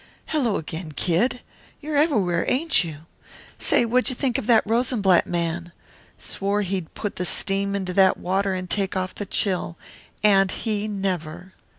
"Hello, again, Kid. You're everywhere, ain't you? Say, wha'd you think of that Rosenblatt man? Swore he'd put the steam into that water and take off the chill. And he never."